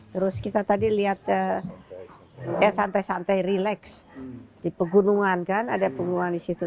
terus kita tadi lihat ya santai santai relax di pegunungan kan ada pegunungan di situ